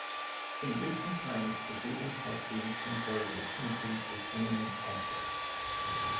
In recent times the building has been converted into an entertainment complex.